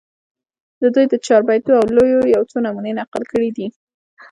د دوي د چاربېتواو لوبو يو څو نمونې نقل کړي دي